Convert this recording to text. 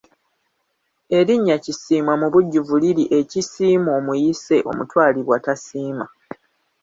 Erinnya Kisiimwa mubujjuvu liri Ekisiimwa omuyise omutwalibwa tasiima.